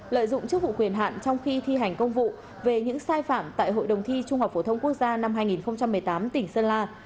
lợi dụng chức vụ quyền hạn trong khi thi hành công vụ về những sai phạm tại hội đồng thi trung học phổ thông quốc gia năm hai nghìn một mươi tám tỉnh sơn la